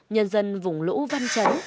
nhân dân vùng lũ văn chấn